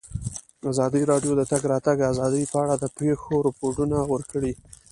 ازادي راډیو د د تګ راتګ ازادي په اړه د پېښو رپوټونه ورکړي.